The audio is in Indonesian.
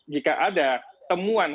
jika ada temuan